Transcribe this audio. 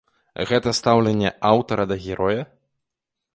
Гэта стаўленне аўтара да героя?